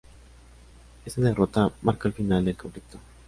Esa derrota marcó el final del conflicto.